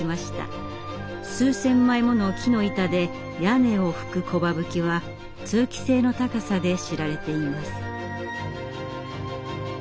数千枚もの木の板で屋根をふく「木羽葺」は通気性の高さで知られています。